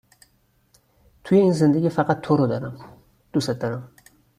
توی این زندگی فقط تو رو دارم دوست دارم.